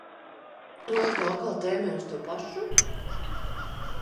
Vai tu atkal tēmē uz to pašu?